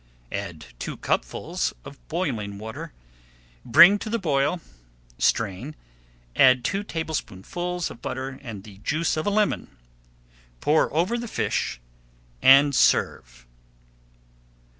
Add two cupfuls of boiling water, bring to the boil, strain, add two tablespoonfuls of butter and the juice of a lemon, pour over the fish and serve.